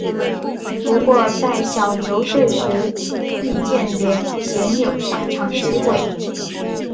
不过在小牛队时易建联鲜有上场机会。